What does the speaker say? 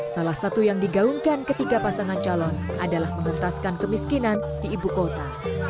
salah satu yang digaungkan ketiga pasangan calon adalah mengentaskan kemiskinan di ibu kota